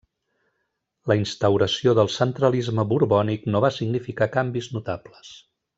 La instauració del centralisme borbònic no va significar canvis notables.